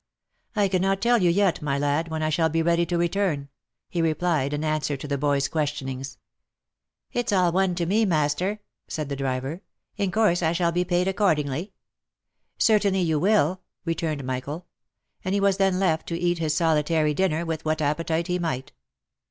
" I cannot tell you yet, my lad, when I shall be ready to return," he replied, in answer to the boy's question ings. " It's all one to me, master," said the driver. " In course I shall be paid accordingly." '" Certainly you will," returned Michael : and he was then left to eat his solitary dinner with what appetite he might.